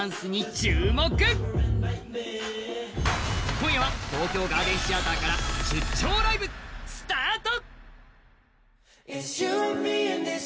今夜は東京ガーデンシアターから「出張ライブ！」スタート。